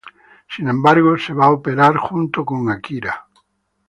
Sin embargo, se va a operarse junto con Akira.